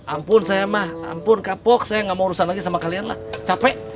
ampun saya mah ampun kapok saya gak mau urusan lagi sama kalian lah capek